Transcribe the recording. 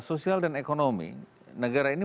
sosial dan ekonomi negara ini